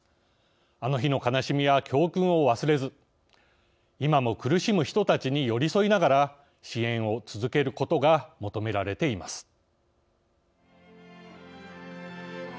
あの日の悲しみや教訓を忘れず今も苦しむ人たちに寄り添いながら支援を続けることが求められています。